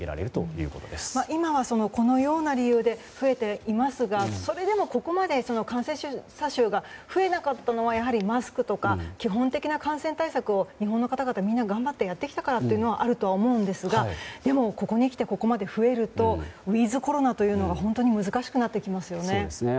いまはこういう理由で増えていますがそれでもここまで感染者数が増えなかったのはやはりマスクとか基本的な感染対策を日本の方々が頑張ってきたからということがあるとは思うんですがここに来て、ここまで増えるとウィズコロナというのが本当に難しくなってきますね。